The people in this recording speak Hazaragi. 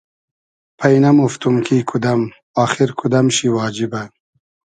پݷ نئمۉفتوم کی کودئم آخیر کودئم شی واجیبۂ